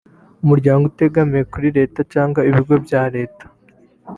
umuryango utegamiye kuri leta cyangwa ibigo bya Leta